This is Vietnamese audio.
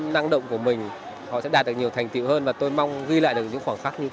năng động của mình